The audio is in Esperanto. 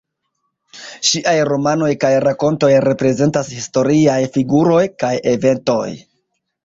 Ŝiaj romanoj kaj rakontoj reprezentas historiaj figuroj kaj eventoj.